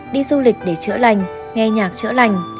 đi du lịch để chữa lành nghe nhạc chữa lành